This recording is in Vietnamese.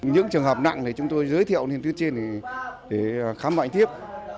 những trường hợp nặng thì chúng tôi giới thiệu lên tuyến trên để khám bệnh tiếp